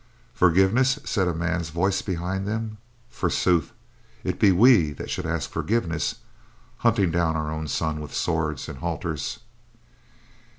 "Forgiveness!" said a man's voice behind them. "Forsooth, it be we that should ask forgiveness; hunting down our own son with swords and halters.